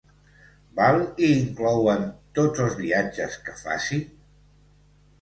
Val i inclouen tots els viatges que faci?